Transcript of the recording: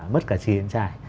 mất cả chi đến trải